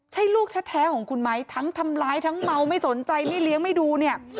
ใช่ลูกแท้ของคุณไหมทั้งทำร้ายทั้งเมาไม่สนใจไม่เลี้ยงไม่ดูเนี่ย